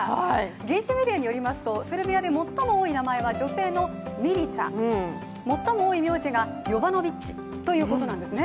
現地メディアによりますとセルビアで最も多い名前は女性のミリツァ、最も多い名字がヨヴァノヴィッチということなんですね。